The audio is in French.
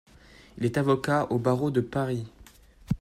Il est avocat au barreau de Paris.